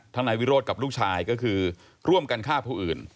นายวิโรธกับลูกชายก็คือร่วมกันฆ่าผู้อื่น